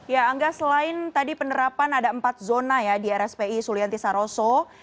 ya angga selain tadi penerapan ada empat zona ya di rspi sulianti saroso